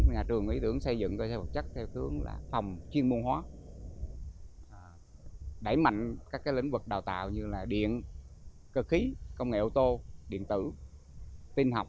nhà trường ý tưởng xây dựng cơ sở vật chất theo hướng là phòng chuyên môn hóa đẩy mạnh các lĩnh vực đào tạo như điện cơ khí công nghệ ô tô điện tử tin học